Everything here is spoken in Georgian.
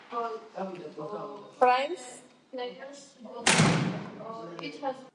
ჰოლანდიის რესპუბლიკაში არსებულმა შიდა არეულობამ ლუის ომის წყურვილი გაუღვივა.